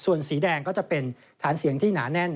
ส่วนสีแดงก็จะเป็นฐานเสียงที่หนาแน่น